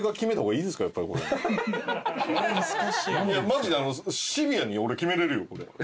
マジでシビアに俺決めれるよこれ。